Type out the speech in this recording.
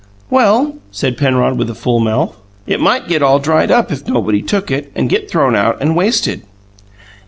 "Well," said Penrod, with a full mouth, "it might get all dried up if nobody took it, and get thrown out and wasted."